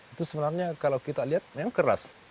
itu sebenarnya kalau kita lihat memang keras